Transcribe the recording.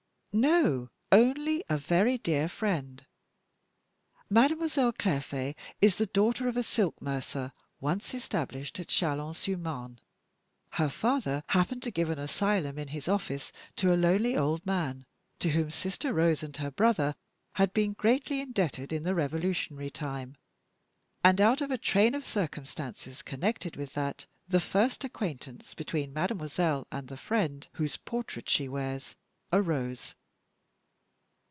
"No, only a very dear friend. Mademoiselle Clairfait is the daughter of a silk mercer, once established at Chalons sur Marne. Her father happened to give an asylum in his office to a lonely old man, to whom 'Sister Rose' and her brother had been greatly indebted in the revolutionary time; and out of a train of circumstances connected with that, the first acquaintance between mademoiselle and the friend whose portrait she wears, arose.